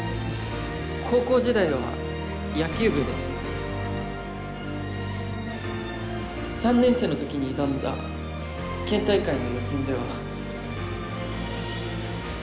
高校時代は野球部でえっと３年生の時に挑んだ県大会の予選では。